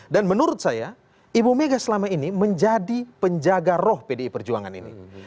dan menurut saya ibu mega selama ini menjadi penjaga roh pdi perjuangan ini